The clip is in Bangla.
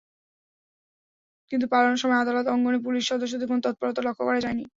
কিন্তু পালানোর সময়ে আদালত অঙ্গনে পুলিশ সদস্যদের কোনো তৎপরতা লক্ষ করা যায়নি।